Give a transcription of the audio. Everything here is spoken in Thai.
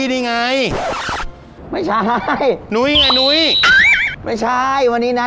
ดีเจนุ้ยสุดจีลา